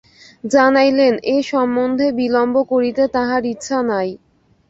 জানাইলেন, এ সম্বন্ধে বিলম্ব করিতে তাঁহার ইচ্ছা নাই।